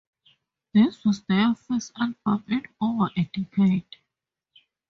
This was their first album in over a decade.